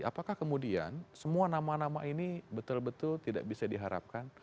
apakah kemudian semua nama nama ini betul betul tidak bisa diharapkan